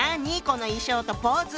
この衣装とポーズは。